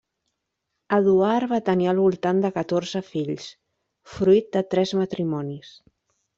Eduard va tenir al voltant de catorze fills, fruit de tres matrimonis.